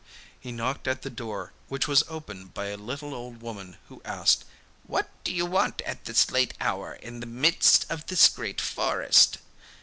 He knocked at the door, which was opened by a little old woman who asked, 'What do you want at this late hour in the midst of this great forest?